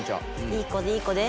いい子でいい子で。